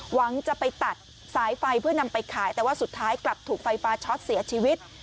หวังจะไปตัดสายไฟเพื่อนำไปขายแต่ว่าสุดท้ายกลับถูกไฟฟ้าช็อตเสียชีวิต